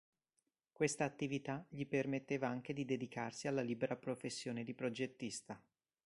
Questa attività gli permetteva anche di dedicarsi alla libera professione di progettista.